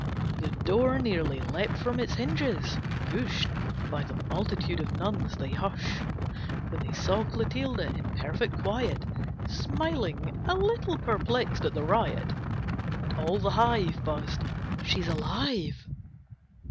The door nearly leapt from its hinges, pushed By the multitude of nuns. They hushed When they saw Clotilde, in perfect quiet, Smiling, a little perplexed at the riot. And all the hive Buzzed "She's alive!"